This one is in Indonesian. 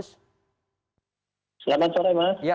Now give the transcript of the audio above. selamat sore mas